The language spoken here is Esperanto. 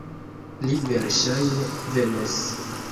Li verŝajne venos.